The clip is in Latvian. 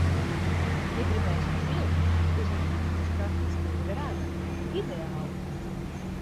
Ja grib ēst siltus, tad izņemot no cepeškrāsns tie jau ir ēdami. Ideāli!